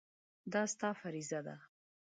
دا ستا فریضه ده.